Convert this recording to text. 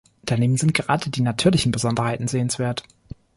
Daneben sind gerade die natürlichen Besonderheiten sehenswert.